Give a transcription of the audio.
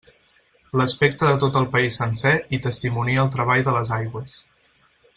L'aspecte de tot el país sencer hi testimonia el treball de les aigües.